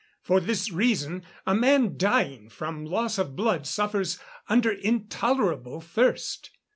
For this reason, a man dying from loss of blood suffers under intolerable thirst.